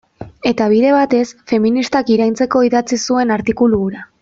Eta bide batez, feministak iraintzeko idatzi zuen artikulu hura.